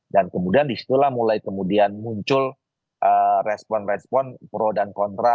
dan kemudian disitulah mulai kemudian muncul respon respon pro dan kontra